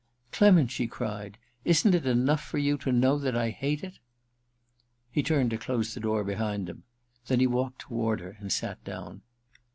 * Clement,' she cried, * isn't it enough for you to know that I hate it ?' He turned to close the door behind them ; then he walked toward her and sat down.